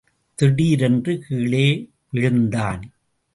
திடீரென்று கீழே விழந்தான்.